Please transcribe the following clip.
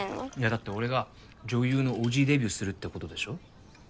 だって俺が女優の叔父デビューするってことでしょ？